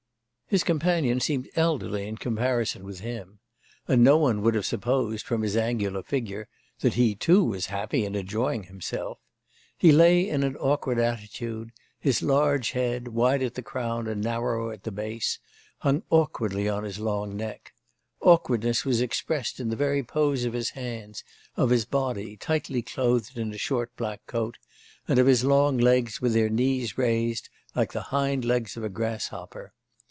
His companion seemed elderly in comparison with him; and no one would have supposed, from his angular figure, that he too was happy and enjoying himself. He lay in an awkward attitude; his large head wide at the crown and narrower at the base hung awkwardly on his long neck; awkwardness was expressed in the very pose of his hands, of his body, tightly clothed in a short black coat, and of his long legs with their knees raised, like the hind legs of a grasshopper.